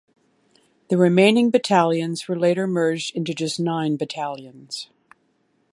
The remaining battalions were later merged into just nine battalions.